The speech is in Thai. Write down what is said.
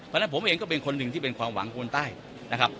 เพราะฉะนั้นผมเองก็เป็นคนหนึ่งที่เป็นความหวังคนใต้นะครับ